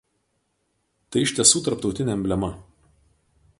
Tai iš tiesų tarptautinė emblema.